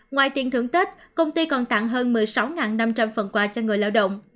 ngoài tiền thưởng tết công ty còn tặng hơn một mươi sáu năm trăm linh phần quà cho người lao động